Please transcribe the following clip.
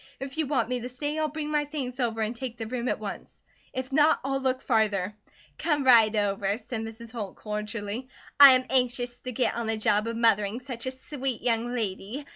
If you want me to stay, I'll bring my things over and take the room at once. If not, I'll look farther." "Come right over," said Mrs. Holt, cordially. "I am anxious to git on the job of mothering such a sweet young lady.